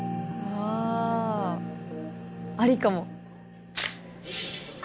あありかも